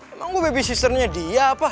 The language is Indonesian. emang gua baby sister nya dia apa